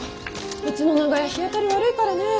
うちの長屋日当たり悪いからねえ。